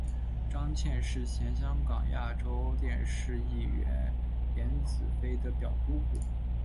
张茜是前香港亚洲电视艺员颜子菲的表姑姑。